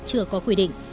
chưa có quy định